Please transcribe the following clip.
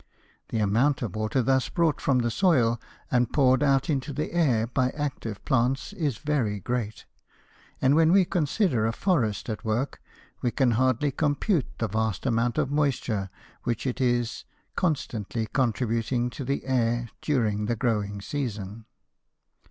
The amount of water thus brought from the soil and poured out into the air by active plants is very great; and when we consider a forest at work, we can hardly compute the vast amount of moisture which it is constantly contributing to the air during the growing season.